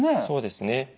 そうですね。